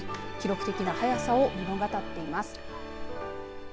記録的の早さを物語っています。